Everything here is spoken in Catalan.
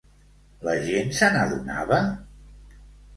La gent se n'adonava?